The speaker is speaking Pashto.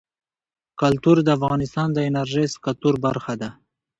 کلتور د افغانستان د انرژۍ سکتور برخه ده.